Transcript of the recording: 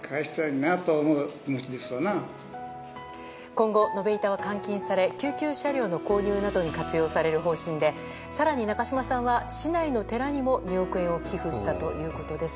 今後、延べ板は換金され救急車両の購入などに活用される方針で更に、中嶋さんは市内の寺にも２億円を寄付したということです。